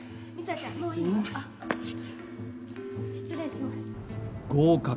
失礼します合格。